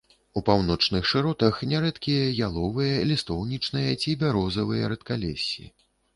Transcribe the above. У паўночных шыротах нярэдкія яловыя, лістоўнічныя ці бярозавыя рэдкалессі.